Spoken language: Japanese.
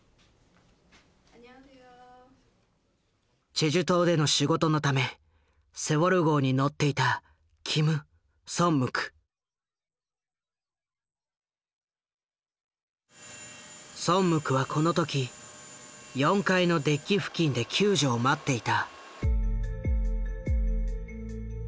チェジュ島での仕事のためセウォル号に乗っていたソンムクはこの時４階のデッキ付近で救助を待っていた。